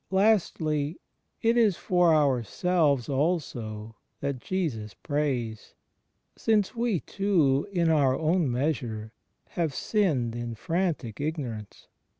Lastly, it is for ourselves also that Jesus prays: since we too, in our own measure, have sinned in frantic ignorance.